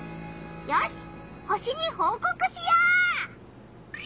よし星にほうこくしよう！